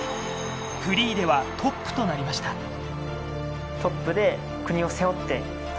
フリーではトップとなりましたしかも。